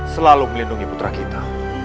selalu melindungi putra kita